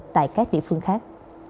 tại các địa phương khác